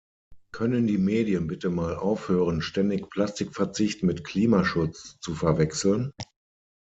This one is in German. Können die Medien bitte mal aufhören, ständig Plastikverzicht mit Klimaschutz zu verwechseln?